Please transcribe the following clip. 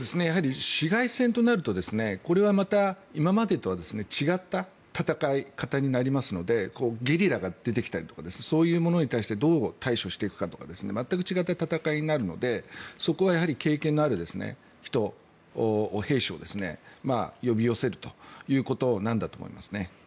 やはり市街戦となるとこれはまた今までとは違った戦い方になりますのでゲリラが出てきたりとかそういうものに対してどう対処していくかとか全く違った戦いになるのでそこは経験のある人、兵士を呼び寄せるということなんだと思います。